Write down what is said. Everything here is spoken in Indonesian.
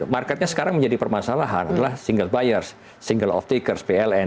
marketnya sekarang menjadi permasalahan adalah single buyers single of takers pln